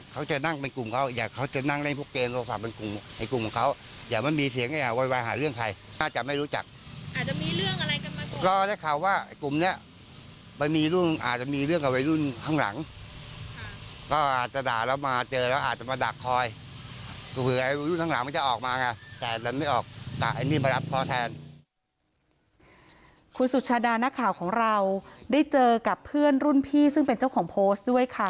คุณสุชาดานักข่าวของเราได้เจอกับเพื่อนรุ่นพี่ซึ่งเป็นเจ้าของโพสต์ด้วยค่ะ